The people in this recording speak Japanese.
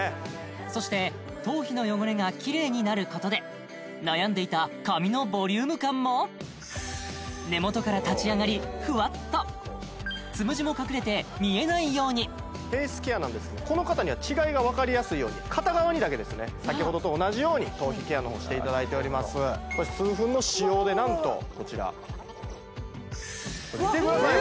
そして頭皮の汚れがキレイになることで悩んでいた髪のボリューム感も根元から立ち上がりふわっとつむじも隠れて見えないようにフェイスケアなんですけどこの方には違いが分かりやすいように片側にだけですね先ほどと同じように頭皮ケアの方をしていただいております数分の使用でなんとこちら見てください